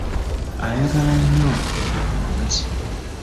Ayagala nnyo okuba awagazi.